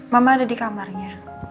mama ada di kamarnya